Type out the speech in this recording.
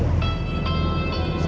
kalau kerjaan saya gak berhasil